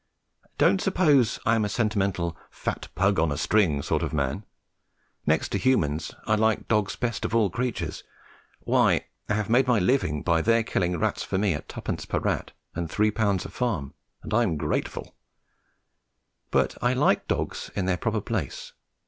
Don't suppose I am a sentimental "fat pug on a string" sort of man. Next to humans I like dogs best of all creatures. Why, I have made my living by their killing rats for me at twopence per rat and three pound a farm, and I am grateful: but I like dogs in their proper place.